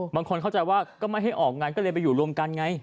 บางคนเข้าใจว่าก็ไม่ให้ออกงานก็เลยไปอยู่รวมกันไง